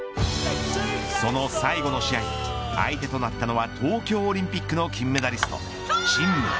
その最後の試合相手となったのは東京オリンピックの金メダリストチン・ム。